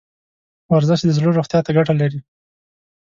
ورزش د زړه روغتیا ته ګټه لري.